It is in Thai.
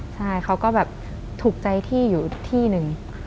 ใช่เขาก็แบบถูกใจที่อยู่ที่หนึ่ง